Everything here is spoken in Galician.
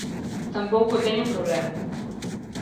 Tampouco teño problema.